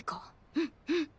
うんうん。